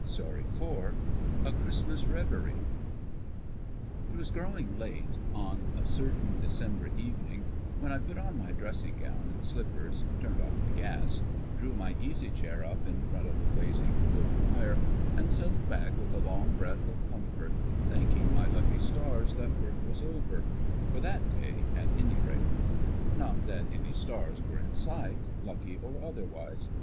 IV A CHRISTMAS REVERIE It was growing late, on a certain December evening, when I put on my dressing gown and slippers, turned off the gas, drew my easy chair up in front of the blazing wood fire, and settled back with a long breath of comfort, thanking my lucky stars that work was over, for that day at any rate. Not that any stars were in sight, lucky or otherwise.